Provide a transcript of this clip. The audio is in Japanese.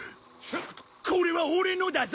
これはオレのだぞ！